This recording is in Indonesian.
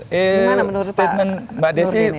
bagaimana menurut pak nurdin ini